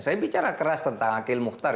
saya bicara keras tentang akil mukhtar